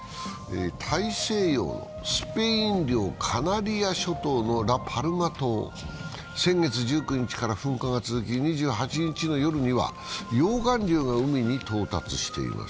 大西洋スペイン領カナリア諸島のラ・パルマ島、先月１９日から噴火が続き、２８日の夜には溶岩流が海に到達しています。